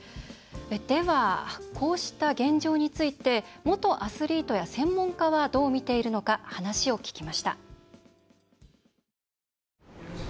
では、こうした現状について、元アスリートや専門家は、どう見ているのか話を聞きました。